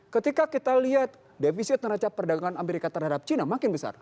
ketika kita lihat defisit neraca perdagangan amerika terhadap cina makin besar